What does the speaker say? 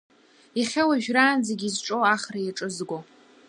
Иахьа уажәраанӡагьы изҿоу ахра иаҿызго.